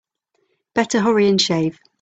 Better hurry and shave.